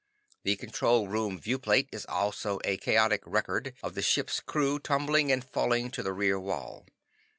The control room viewplate is also a chaotic record of the ship's crew tumbling and falling to the rear wall.